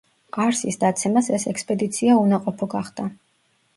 ყარსის დაცემას ეს ექსპედიცია უნაყოფო გახადა.